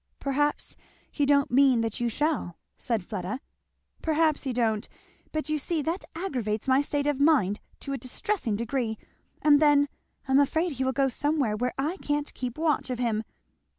"Perhaps he don't mean that you shall," said Fleda. "Perhaps he don't; but you see that aggravates my state of mind to a distressing degree. And then I'm afraid he will go somewhere where I can't keep watch of him!